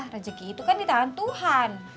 rezeki itu kan di tangan tuhan